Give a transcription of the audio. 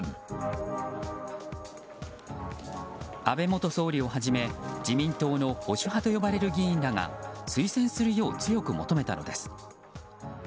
安倍元総理をはじめ自民党の保守派と呼ばれる議員らが推薦するよう強く求めたのです。